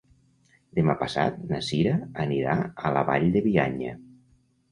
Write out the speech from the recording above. Demà passat na Cira anirà a la Vall de Bianya.